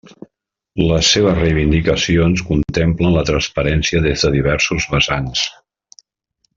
Les seues reivindicacions contemplen la transparència des de diversos vessants.